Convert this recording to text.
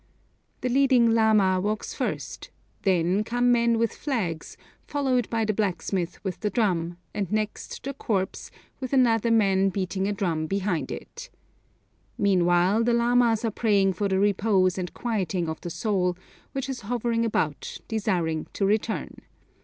The leading lama walks first, then come men with flags, followed by the blacksmith with the drum, and next the corpse, with another man beating a drum behind it. Meanwhile, the lamas are praying for the repose and quieting of the soul, which is hovering about, desiring to return.